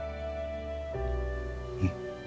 うん。